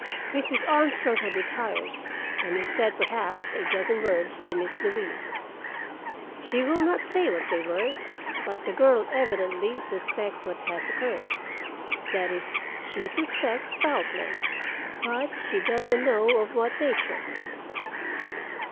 Mrs. Armstrong had retired, and he said perhaps a dozen words to Miss Louise. She will not say what they were, but the girl evidently suspects what has occurred. That is, she suspects foul play, but she doesn't know of what nature.